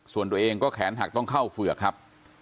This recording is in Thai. ส่วนตัวเองก็แขนหักต้องเข้าเฝือกครับ